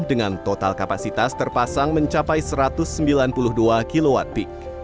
dengan total kapasitas terpasang mencapai satu ratus sembilan puluh dua kwp